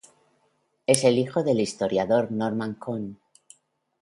Es el hijo de el historiador Norman Cohn.